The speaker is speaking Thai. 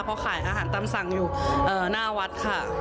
เพราะขายอาหารตามสั่งอยู่หน้าวัดค่ะ